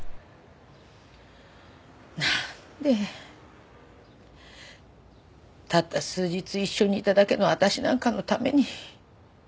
なんでたった数日一緒にいただけの私なんかのために。